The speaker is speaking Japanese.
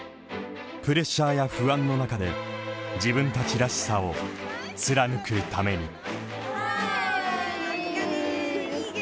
プレッシャーや不安の中で自分たちらしさを貫くために。